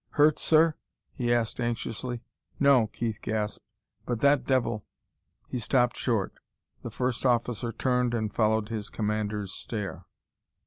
"Hurt, sir?" he asked anxiously. "No," Keith gasped. "But that devil " He stopped short. The first officer turned and followed his commander's stare.